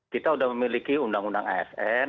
kita sudah memiliki undang undang asn